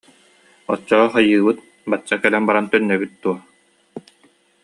Оччоҕо хайыыбыт, бачча кэлэн баран төннөбүт дуо